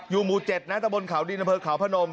อยู่หมู่๗ณตะบนเขาดินเทิดเขาพนม